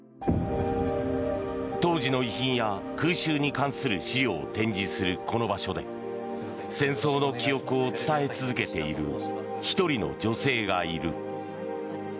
当時の遺品や空襲に関する資料を展示するこの場所で戦争の記憶を伝え続けている１人の女性がいる。